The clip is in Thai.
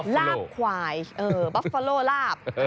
ลาบควายเออบอฟเฟโรลาบ